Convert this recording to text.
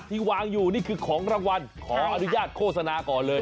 ที่วางอยู่นี่คือของรางวัลขออนุญาตโฆษณาก่อนเลย